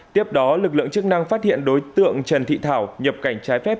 tiếp đó lực lượng chức năng phát hiện đối tượng trần thị thảo nhập cảnh trái phép